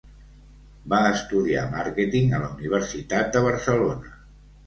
Va estudiar màrqueting a la Universitat de Barcelona.